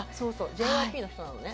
ＪＹＰの人なのね。